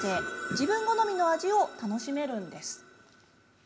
自分好みの味を楽しめるんです。